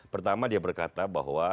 pertama dia berkata bahwa